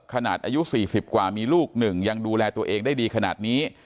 อายุ๔๐กว่ามีลูก๑ยังดูแลตัวเองได้ดีขนาดนี้